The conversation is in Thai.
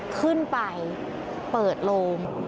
ขึ้นไปเปิดโลง